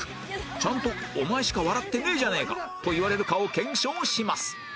ちゃんと「お前しか笑ってねえじゃねえか！」と言われるかを検証します！